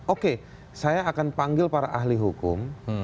oke saya akan panggil para ahli hukum